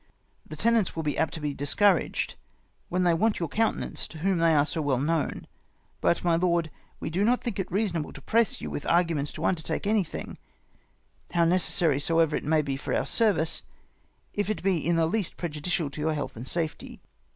The tenants will be apt to be discouraged, when they want your countenance to whom they are so well known. But, my lord, we do not think it reasonable to press you Avith arguments to undertake anything, how necessary soever it may be for our service, if it be in the least prejudicial to your health and safety.